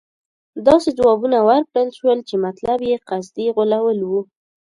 داسې ځوابونه ورکړل شول چې مطلب یې قصدي غولول وو.